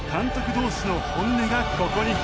同士の本音がここに。